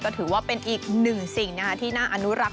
ถือว่าเป็นอีกหนึ่งสิ่งที่น่าอนุรักษ